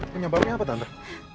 penyebabnya apa tante